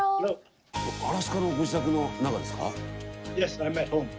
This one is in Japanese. アラスカのご自宅の中ですか？